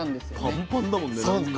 パンパンだもんねなんか。